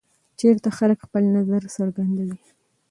چېرته خلک خپل نظر څرګندوي؟